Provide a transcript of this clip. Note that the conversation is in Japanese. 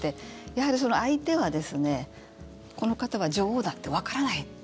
やはり相手はこの方は女王だってわからない。